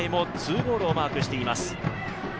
今大会も２ゴールをマークしています。